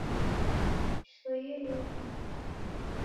Nishoie iyo nyungu